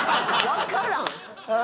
「わからん」？